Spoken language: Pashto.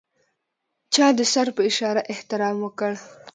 چا د سر په اشاره احترام وکړ.